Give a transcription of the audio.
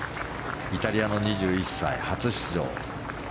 イタリアの２１歳、初出場。